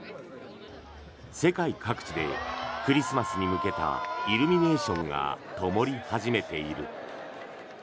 世界各地でクリスマスに向けたイルミネーションがともり始めている。